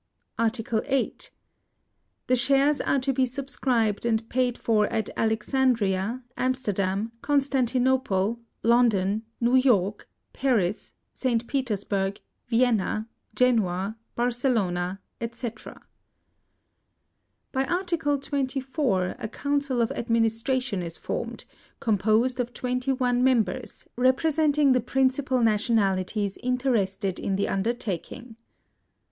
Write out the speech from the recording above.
Article 8. The shares are to be sub scribed and paid for at Alexandria, Amster dam, Constantinople, London, New York, Paris, St Petersburg, Vienna, Genoa, Bar celona, &c. By Article 24 a Council of Administration is formed, composed of twenty one members,, representing the principal nationalities in terested in the undertaking.